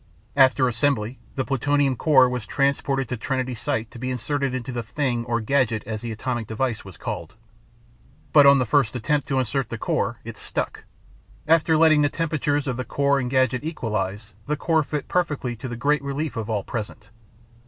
After assembly, the plutonium core was transported to Trinity Site to be inserted into the thing or gadget as the atomic device was called. But, on the first attempt to insert the core it stuck! After letting the temperatures of the core and the gadget equalize, the core fit perfectly to the great relief of all present.